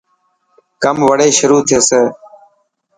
ڪم وڙي شروح ٿيي.